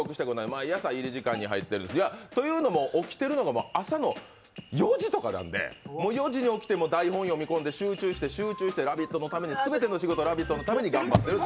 毎朝、入り時間に入っているんですよ。というのも起きてるのが朝の４時とかなんで、４時に起きて台本読み込んで集中して集中して全ての仕事、「ラヴィット！」のために頑張ってる。